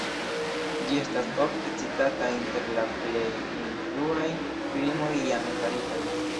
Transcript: Ĝi estas ofte citata inter la plej influaj filmoj iame faritaj.